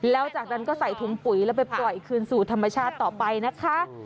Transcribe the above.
แล้วจากนั้นก็ใส่ถุงปุ๋ยแล้วไปปล่อยคืนสู่ธรรมชาติต่อไปนะคะ